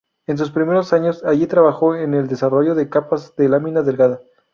En sus primeros años allí, trabajó en el desarrollo de capas de lámina delgada.